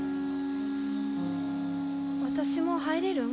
私も入れるん？